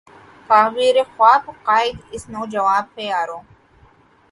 تعبیر ء خواب ء قائد، اسی نوجواں پہ یارو